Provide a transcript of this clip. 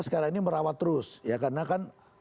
sekarang ini merawat terus ya karena kan